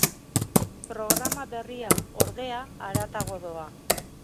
Programa berri hau, ordea, haratago doa.